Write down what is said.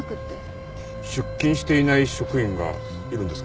出勤していない職員がいるんですか？